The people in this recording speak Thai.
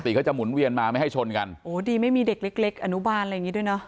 เขาจะหมุนเวียนมาไม่ให้ชนกันโอ้ดีไม่มีเด็กเล็กเล็กอนุบาลอะไรอย่างงี้ด้วยเนอะ